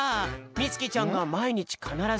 みつきちゃんがまいにちかならず１